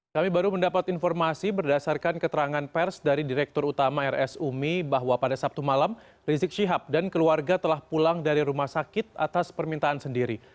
kami baru mendapat informasi berdasarkan keterangan pers dari direktur utama rs umi bahwa pada sabtu malam rizik syihab dan keluarga telah pulang dari rumah sakit atas permintaan sendiri